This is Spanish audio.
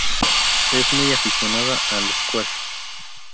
Es muy aficionada al squash.